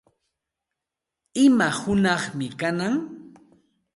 ¿Ima hunaqmi kanan?